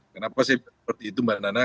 kenapa saya seperti itu mbak nana